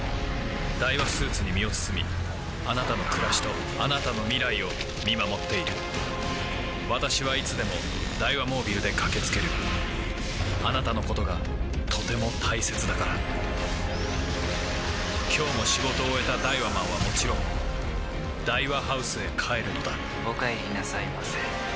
ダイワスーツに身を包みあなたの暮らしとあなたの未来を見守っている私はいつでもダイワモービルで駆け付けるあなたのことがとても大切だから今日も仕事を終えたダイワマンはもちろんダイワハウスへ帰るのだお帰りなさいませ。